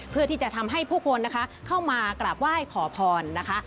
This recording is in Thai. เพื่อที่จะทำให้ผู้คนนะคะเข้ามากราบไหว้ขอพรนะคะ